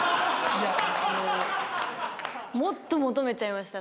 もっと求めちゃいました。